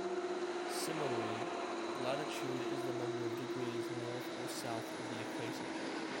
Similarly, latitude is the number of degrees north or south of the Equator.